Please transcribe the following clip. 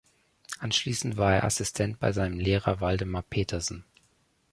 Anschließend war er Assistent bei seinem Lehrer Waldemar Petersen.